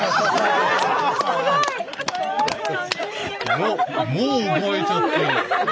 もうもう覚えちゃって。